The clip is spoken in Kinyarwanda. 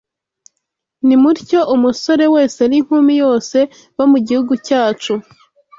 Nimutyo umusore wese n’inkumi yose bo mu gihugu cyacu